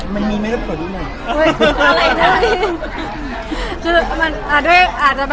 มันมีไม่รู้สึกอีกหน่อย